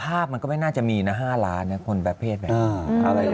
ภาพมันก็ไม่น่าจะมีนะ๕ล้านคนแบบเพศแบบนี้